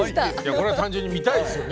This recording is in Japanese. これは単純に見たいですよね